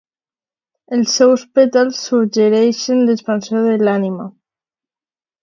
Els seus pètals suggereixen l'expansió de l'ànima.